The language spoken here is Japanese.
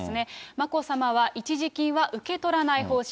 眞子さまは、一時金は受け取らない方針。